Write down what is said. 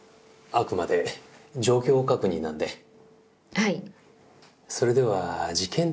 はい。